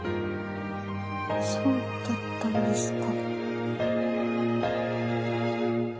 そうだったんですか。